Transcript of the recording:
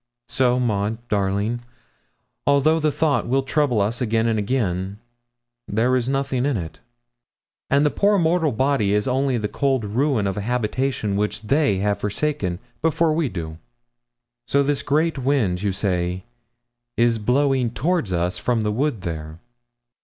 So Maud, darling, although the thought will trouble us again and again, there is nothing in it; and the poor mortal body is only the cold ruin of a habitation which they have forsaken before we do. So this great wind, you say, is blowing toward us from the wood there.